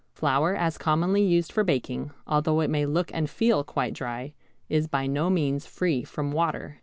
Flour as commonly used for baking, although it may look and feel quite dry, is by no means free from water.